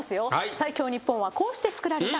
最強日本はこうして作られた。